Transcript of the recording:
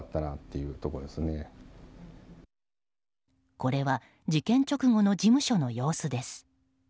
これは事件直後の事務所の様子です。